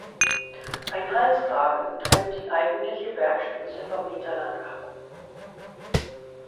Ein Halsgraben trennt die eigentliche Bergspitze vom Hinterland ab.